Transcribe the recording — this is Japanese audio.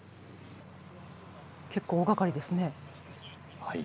結構大がかりですね。